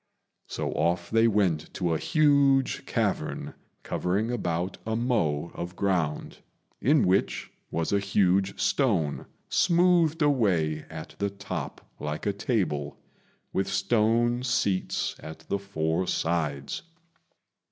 So off they went to a huge cavern, covering about a mow of ground, in which was a huge stone, smoothed away at the top like a table, with stone seats at the four sides.